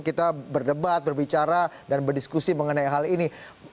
kita berdebat berbicara dan berdiskusi mengenai hal ini